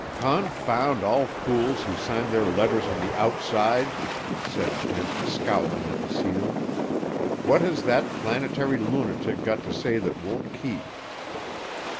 "Confound all fools who sign their letters on the outside!" said Kent, scowling at the seal. "What has that planetary lunatic got to say that won't keep?"